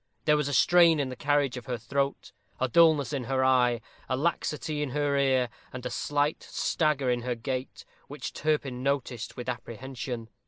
There was a strain in the carriage of her throat, a dulness in her eye, a laxity in her ear, and a slight stagger in her gait, which Turpin noticed with apprehension.